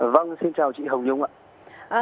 vâng xin chào chị hồng nhung ạ